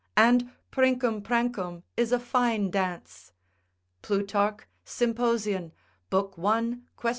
And princum prancum is a fine dance. Plutarch, Sympos. 1. quaest.